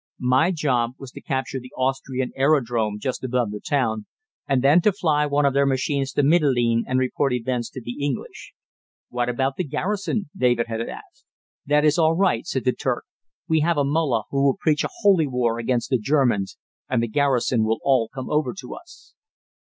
My job was to capture the Austrian aerodrome just above the town, and then to fly one of their machines to Mitylene and report events to the English. "What about the garrison?" David had asked. "That is all right," said the Turk; "we have a Mullah who will preach a holy war against the Germans, and the garrison will all come over to us."